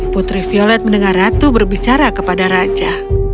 putri violet mendengar ratu berbicara kepada raja